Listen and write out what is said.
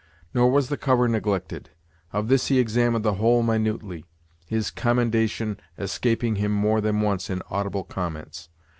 Nor was the cover neglected. Of this he examined the whole minutely, his commendation escaping him more than once in audible comments.